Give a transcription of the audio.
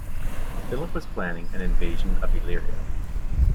Philip was planning an invasion of Illyria.